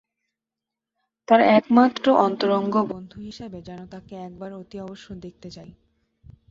তার একমাত্র অন্তরঙ্গ বন্ধু হিসেবে যেন তাকে একবার অতি অবশ্য দেখতে যাই।